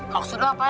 kau sudah apaan